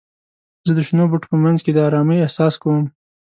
زه د شنو بوټو په منځ کې د آرامۍ احساس کوم.